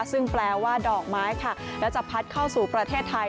ซึ่งแปลว่าดอกไม้ค่ะแล้วจะพัดเข้าสู่ประเทศไทย